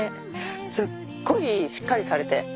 すっごいしっかりされて。